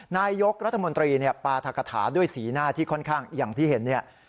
นายกรัฐมนตรีปราธกฐาด้วยสีหน้าที่ค่อนข้างอย่างที่เห็นเนี่ย